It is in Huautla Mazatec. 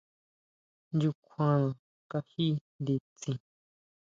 ¿ʼNchukjuana kají nditsin?